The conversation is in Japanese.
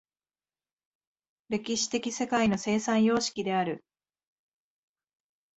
歴史的世界の生産様式である。